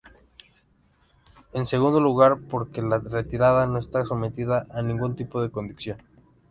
En segundo lugar, porque la retirada no está sometida a ningún tipo de condición.